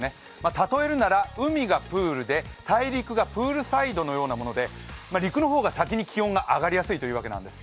例えるなら海がプールで大陸がプールサイドのようなもので陸の方が先に気温が上がりやすいということなんです。